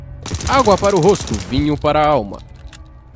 Água para o rosto, vinho para a alma.